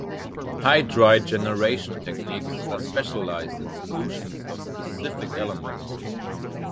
Hydride generation techniques are specialized in solutions of specific elements.